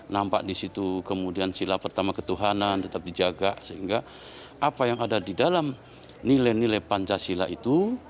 nampak di situ kemudian sila pertama ketuhanan tetap dijaga sehingga apa yang ada di dalam nilai nilai pancasila itu